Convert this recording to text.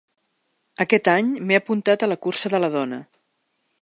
Aquest any m’he apuntat a la cursa de la dona.